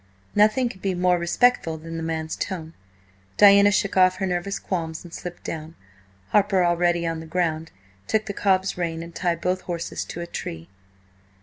Nothing could be more respectful than the man's tone. Diana shook off her nervous qualms and slipped down. Harper, already on the ground, took the cob's rein and tied both horses to a tree.